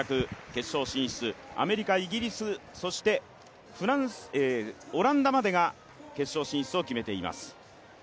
決勝進出、アメリカ、イギリス、そしてオランダまでが決勝進出を決めています。